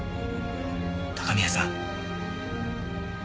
高宮さん。